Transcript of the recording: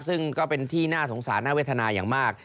ซึ่งก็เป็นที่น่าสงสารน่าเวทนาอย่างมาก